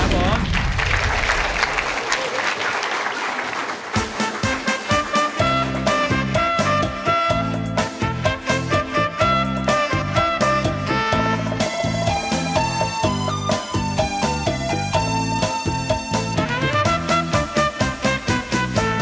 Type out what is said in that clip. ครับผม